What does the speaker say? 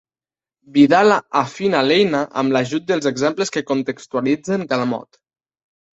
Vidal afina l'eina amb l'ajut dels exemples que contextualitzen cada mot.